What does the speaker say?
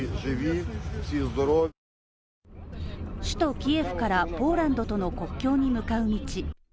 首都キエフからポーランドとの国境に向かう道